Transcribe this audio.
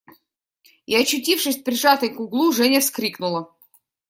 И, очутившись прижатой к углу, Женя вскрикнула.